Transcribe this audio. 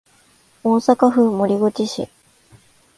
大阪府守口市